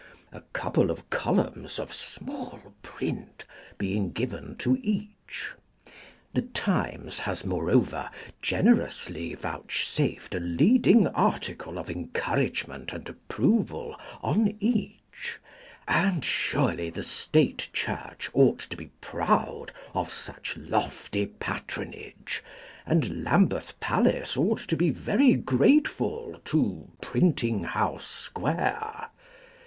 a couple of columns of small print being given to each. The Times has moreover generously vouchsafed a leading article of encouragement and approval on each; and surely the State Church ought to be proud of such lofty patronage, and Lambeth Palace ought to be very grateful to Printing House Square.